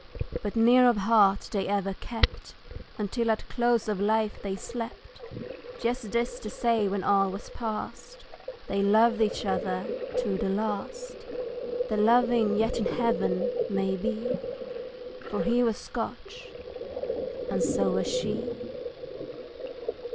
But near of heart they ever kept, Until at close of life they slept, Just this to say when all was past They loved each other to the last, They're loving yet in heaven, maybe For he was Scotch, and so was she.